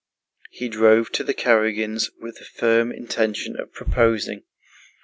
He drove to the Karágins' with the firm intention of proposing.